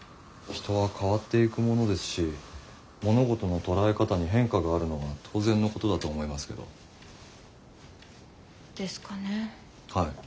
人は変わっていくものですし物事の捉え方に変化があるのは当然のことだと思いますけど。ですかねぇ。